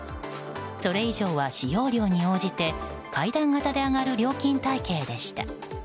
それ以上は使用量に応じて階段型で上がる料金体系でした。